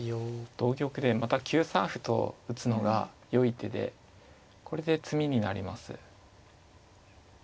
同玉でまた９三歩と打つのがよい手でこれで詰みになります。